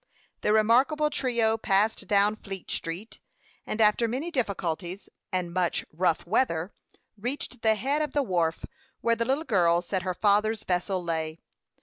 The remarkable trio passed down Fleet Street, and, after many difficulties and much "rough weather," reached the head of the wharf, where the little girl said her father's vessel lay.